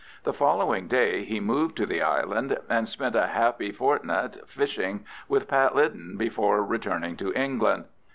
The following day he moved to the island, and spent a happy fortnight fishing with Pat Lyden before returning to England.